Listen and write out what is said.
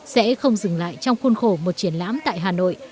sẽ không dừng lại trong khuôn khổ một triển lãm tại hà nội